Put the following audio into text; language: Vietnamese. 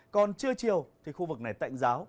còn trưa chiều thì khu vực này tạnh giáo